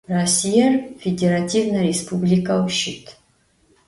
Rossiêr fêdêrativne rêspublikeu şıt.